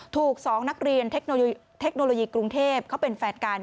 ถูก๒นักเรียนเทคโนโลยีกรุงเทพเขาเป็นแฟนกัน